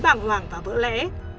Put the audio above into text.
bảng hoảng và vỡ lẽ